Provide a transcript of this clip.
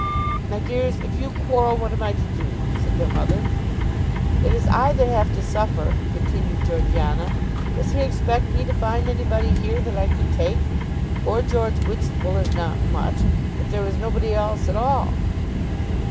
"My dears, if you quarrel what am I to do?" said their mother. "It is I that have to suffer," continued Georgiana. "Does he expect me to find anybody here that I could take? Poor George Whitstable is not much; but there is nobody else at all."